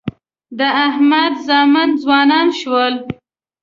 د احمد زامن ځوانان شول.